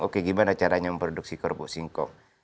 oke gimana caranya memproduksi kerupuk singkong